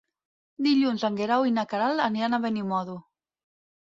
Dilluns en Guerau i na Queralt aniran a Benimodo.